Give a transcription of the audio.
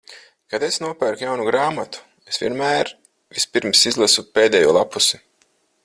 Kad es nopērku jaunu grāmatu, es vienmēr vispirms izlasu pēdējo lappusi.